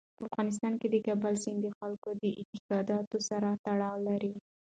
په افغانستان کې د کابل سیند د خلکو د اعتقاداتو سره تړاو لري.